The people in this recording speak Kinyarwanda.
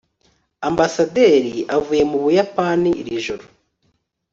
ambasaderi avuye mu buyapani iri joro